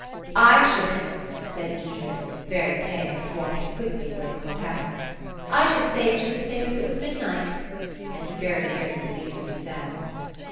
"I shouldn't," said Edred, very pale and walking quickly away from the castle. "I should say it just the same if it was midnight." And he very nearly believed what he said.